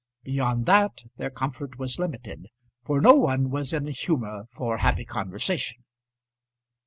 Beyond that their comfort was limited, for no one was in a humour for happy conversation.